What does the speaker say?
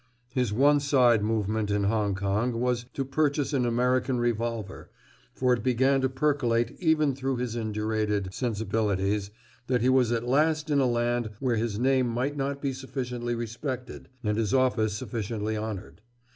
His one side movement in Hong Kong was to purchase an American revolver, for it began to percolate even through his indurated sensibilities that he was at last in a land where his name might not be sufficiently respected and his office sufficiently honored.